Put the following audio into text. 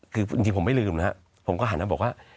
จริงผมไม่ลืมนะผมก็หันแล้วบอกว่า